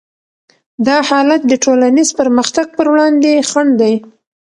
دا حالت د ټولنیز پرمختګ پر وړاندې خنډ دی.